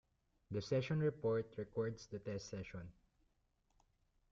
The session report records the test session.